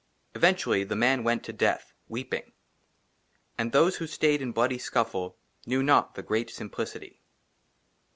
EVENTUALLY, THE MAN WENT TO DEATH, WEEPING. AND THOSE WHO STAID IN BLOODY SCUFFLE KNEW NOT THE GREAT SIMPLICITY.